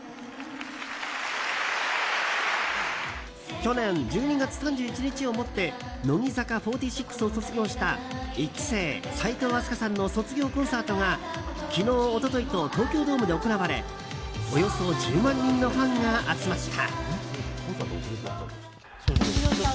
去年１２月３１日をもって乃木坂４６を卒業した１期生・齋藤飛鳥さんの卒業コンサートが昨日、一昨日と東京ドームで行われおよそ１０万人のファンが集まった。